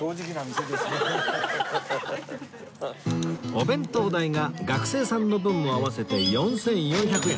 お弁当代が学生さんの分も合わせて４４００円